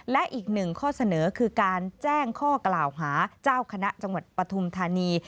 และอีกหนึ่งข้อเสนอคือการแจ้งข้อกล่าวหาเจ้าคณะจังหวัดปฐุมธานี